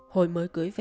hồi mới cưới về